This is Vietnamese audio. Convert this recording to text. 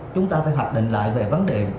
chúng ta phải hoạch định lại về vấn đề